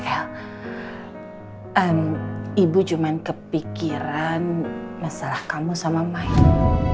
ya el ibu cuma kepikiran masalah kamu sama mike